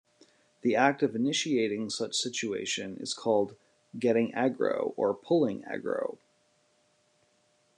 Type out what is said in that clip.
The act of initiating such situation is called "getting aggro" or "pulling aggro.